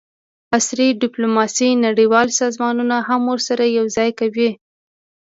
عصري ډیپلوماسي نړیوال سازمانونه هم ورسره یوځای کوي